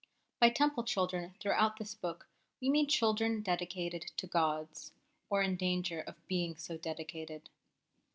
By Temple children throughout this book we mean children dedicated to gods, or in danger of being so dedicated.